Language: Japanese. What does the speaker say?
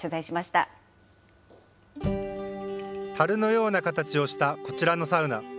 たるのような形をしたこちらのサウナ。